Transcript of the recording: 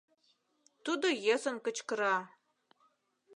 — тудо йӧсын кычкыра.